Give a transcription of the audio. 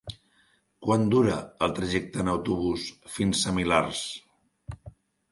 Quant dura el trajecte en autobús fins a Millars?